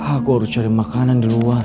aku harus cari makanan di luar